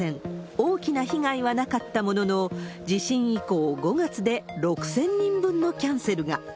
大きな被害はなかったものの、地震以降、５月で６０００人分のキャンセルが。